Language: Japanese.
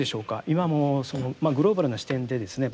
今もそのグローバルな視点でですね